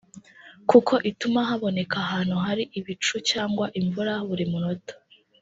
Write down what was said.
kuko ituma haboneka ahantu hari ibicu cyangwa imvura buri munota